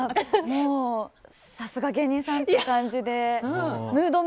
さすが芸人さんという感じで。